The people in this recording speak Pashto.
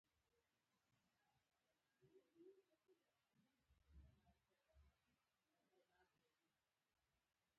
د هنر مینه د هغه په زړه کې ریښې وکړې